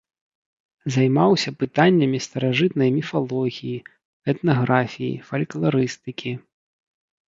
Займаўся пытаннямі старажытнай міфалогіі, этнаграфіі, фалькларыстыкі.